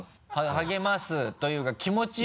励ますというか気持ちよく。